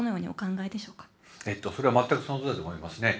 えっとそれは全くそのとおりだと思いますね。